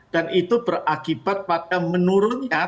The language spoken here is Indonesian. dan itu berakibat pada menurunnya